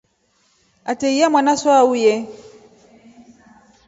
Ateiya mwanaso auye.